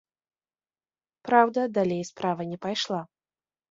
Праўда, далей справа не пайшла.